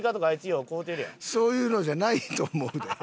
そういうのじゃないと思うで。